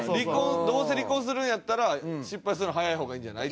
どうせ離婚するんやったら失敗するのは早い方がいいんじゃない？っていう。